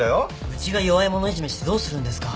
うちが弱いものいじめしてどうするんですか。